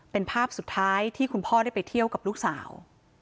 เป็นภาพสุดท้ายที่คุณพ่อได้ไปเที่ยวกับลูกสาว